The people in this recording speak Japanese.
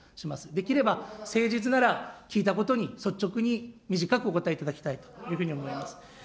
できれば誠実なら聞いたことに率直に短くお答えいただきたいというふうに思います。